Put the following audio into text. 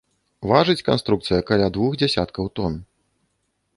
Важыць канструкцыя каля двух дзясяткаў тон.